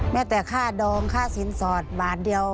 แม้แต่ค่าดองค่าสินสอดบาทเดียว